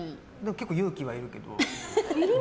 結構勇気はいるけど。